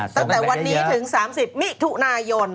ตั้งแต่วันนี้ถึง๓๐มิถุนายน